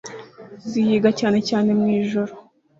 Zihiga cyane cyane mu ijoro